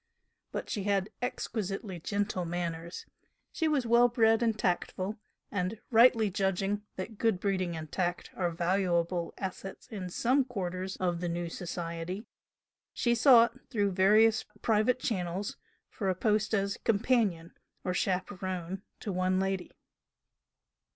But she had exquisitely gentle manners, she was well bred and tactful, and, rightly judging that good breeding and tact are valuable assets in some quarters of the "new" society, she sought, through various private channels, for a post as companion or "chaperone" to "one lady."